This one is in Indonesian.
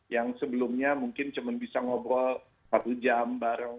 yang sebelumnya mungkin cuma bisa ngobrol satu jam bareng